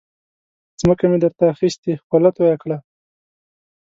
ځمکه مې در ته اخستې خوله تویه کړه.